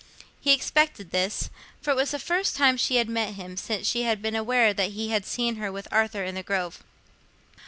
He expected this, for it was the first time she had met him since she had been aware that he had seen her with Arthur in the Grove.